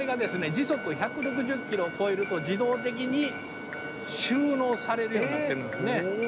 時速１６０キロを超えると自動的に収納されるようになってるんですね。